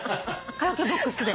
カラオケボックスで。